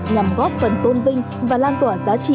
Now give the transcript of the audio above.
nhằm góp phần tôn vinh và lan tỏa giá trị